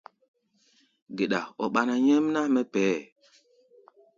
Geɗa ɔ́ ɓáná nyɛmná mɛ́ pɛʼɛ́ɛ.